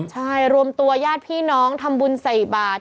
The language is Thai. ใช่รวมตัวญาติพี่น้องทำบุญใส่บาท